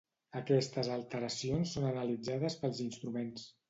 Aquestes alteracions són analitzades pels instruments.